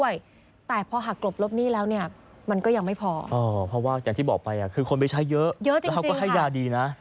เยอะจริงแต่เขาก็ให้ยาดีนะ